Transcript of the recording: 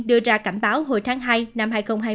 đưa ra cảnh báo hồi tháng hai năm hai nghìn hai mươi